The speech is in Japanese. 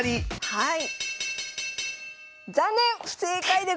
はい。